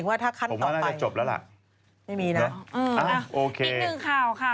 อีกหนึ่งข่าวค่ะ